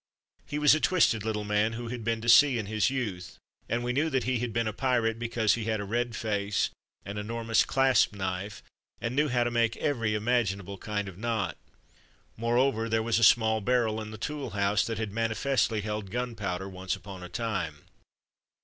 He was a twisted little man who had been to sea in his youth, and we knew that he had been a pirate because he had a red face, an enormous clasp knife, and knew how to make every imaginable kind of knot. Moreover, there was a small barrel in the tool house that had manifestly held gunpowder once upon a time.